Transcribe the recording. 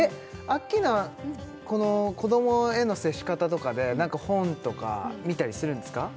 アッキーナはこの子どもへの接し方とかで何か本とか見たりするんですか？